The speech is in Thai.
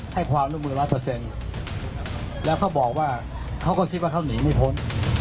๑๐๐ให้ความล่ะมือ๑๐๐แล้วเขาบอกว่าเขาก็คิดว่าเขาหนีไม่พ้น